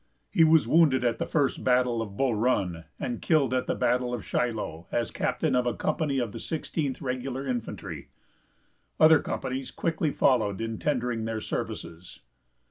He was wounded at the first battle of Bull Run, and killed at the battle of Shiloh, as captain of a company of the Sixteenth Regular Infantry. Other companies quickly followed in tendering their services.